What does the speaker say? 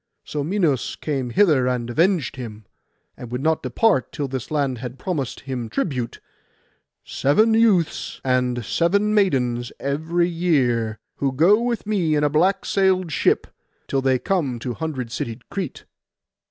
So Minos came hither and avenged him, and would not depart till this land had promised him tribute—seven youths and seven maidens every year, who go with me in a black sailed ship, till they come to hundred citied Crete.